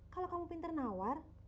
kalau kamu pinter nawar